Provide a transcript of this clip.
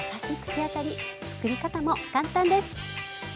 作り方も簡単です。